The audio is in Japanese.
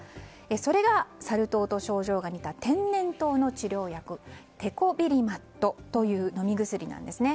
それがサル痘と症状が似た天然痘の治療薬テコビリマットという飲み薬なんです。